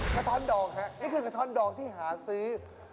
คทันดองครับนี่คือคทันดองที่หาซื้อ